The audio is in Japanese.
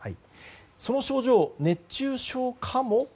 その症状、熱中症かも。